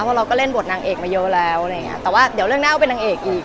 เพราะเราก็เล่นบทนางเอกมาเยอะแล้วอะไรอย่างเงี้ยแต่ว่าเดี๋ยวเรื่องหน้าก็เป็นนางเอกอีก